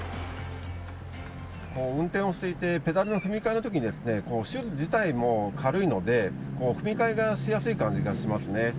運転をしていてペダルの踏みかえのときにシューズ自体も軽いので踏みかえがしやすい感じがしますね。